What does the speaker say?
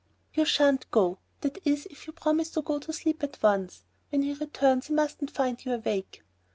"You shan't go, that is if you promise to go to sleep at once. When he returns he mustn't find you awake."